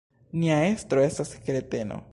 Nia estro estas kreteno.